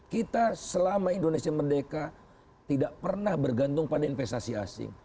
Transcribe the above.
kita selama indonesia merdeka tidak pernah bergantung pada investasi asing